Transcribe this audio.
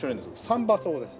三番叟です。